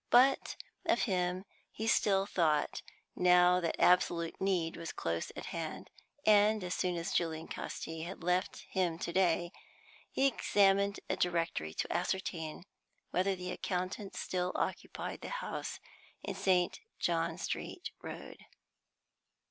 But of him he still thought, now that absolute need was close at hand, and, as soon as Julian Casti had left him to day, he examined a directory to ascertain whether the accountant still occupied the house in St. John Street Road.